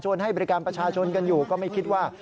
ให้บริการประชาชนกันอยู่ก็ไม่คิดว่า